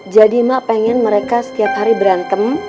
jadi mak pengen mereka setiap hari berantem